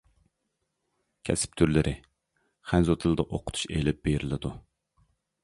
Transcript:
كەسىپ تۈرلىرى خەنزۇ تىلىدا ئوقۇتۇش ئېلىپ بېرىلىدۇ.